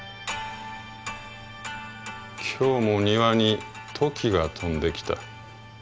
「今日も庭にトキが飛んできた。